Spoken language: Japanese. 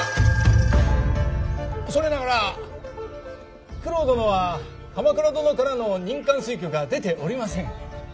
恐れながら九郎殿は鎌倉殿からの任官推挙が出ておりません。